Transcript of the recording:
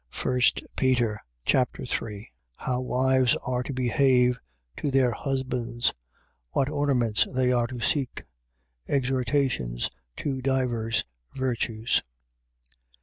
1 Peter Chapter 3 How wives are to behave to their husbands. What ornaments they are to seek. Exhortations to divers Virtues.